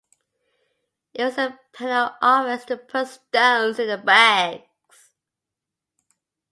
It was a penal offense to put stones in the bags.